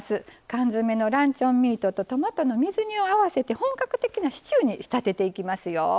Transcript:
缶詰のランチョンミートとトマトの水煮を合わせて本格的なシチューに仕立てていきますよ。